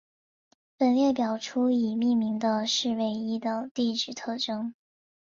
本表列出已命名的土卫一的地质特征。